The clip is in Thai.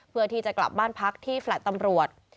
เพื่อที่จะกลับบ้านพักที่แฟลต์ตำรวจ